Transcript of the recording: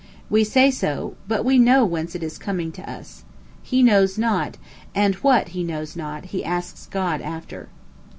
We say so; but we know whence it is coming to us. He knows not; and what he knows not, he asks God after.